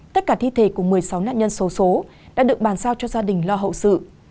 tất cả thi thể của một mươi sáu nạn nhân số số đã được bàn sao cho gia đình lo hậu sự